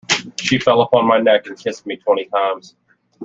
She fell upon my neck and kissed me twenty times.